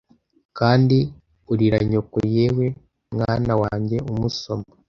kandi urira nyoko yewe mwana wanjye umusoma